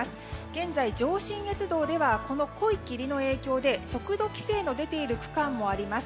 現在、上信越道では濃い霧の影響で速度規制の出ている区間もあります。